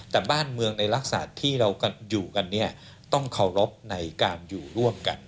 แต่บ้านเมืองในลักษณะที่เราอยู่กันเนี่ยต้องเคารพในการอยู่ร่วมกัน